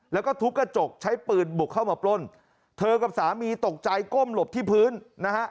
แล้วก็ทุบกระจกใช้ปืนบุกเข้ามาปล้นเธอกับสามีตกใจก้มหลบที่พื้นนะฮะ